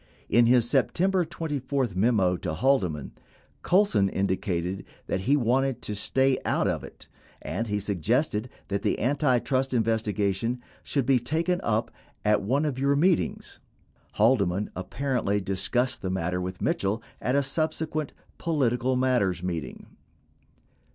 In his September 24 memo to Haldeman, Colson indicated that he wanted to "stay out of it," 19 and he suggested that the antitrust in vestigation "should be taken up at one of your meetings." 20 Haldeman apparently discussed the matter with Mitchell at a sub sequent "political matters" meeting.